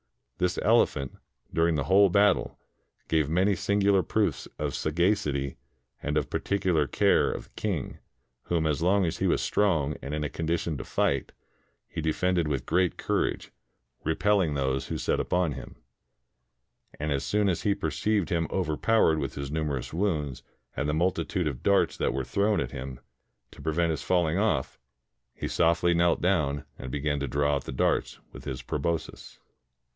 This elephant, during the whole battle, gave many singular proofs of sagacity and of particular care of the king, whom as long as he was strong and in a condition to fight, he defended with great courage, re pelling those who set upon him ; and as soon as he per ceived him overpowered with his numerous wounds and the multitude of darts that were thrown at him, to pre vent his falling off, he softly knelt down and began to draw out the darts with his proboscis.